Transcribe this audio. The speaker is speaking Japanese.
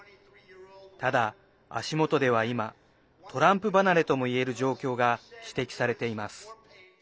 ただ、足元では今トランプ離れとも言える状況が指摘されています。